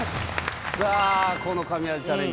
さあこの神業チャレンジ